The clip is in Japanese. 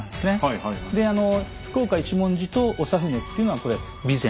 であの福岡一文字と長船っていうのはこれ備前。